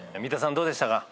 どうでしたか？